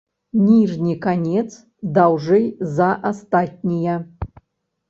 Ніжні канец даўжэй за астатнія.